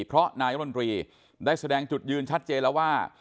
เพราะนายรัฐมนตรีได้แสดงจุดยืนชัดเจนแล้วว่า